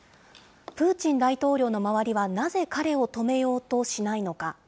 プーチン大統領の周りはなぜ彼を止めようとしないのか。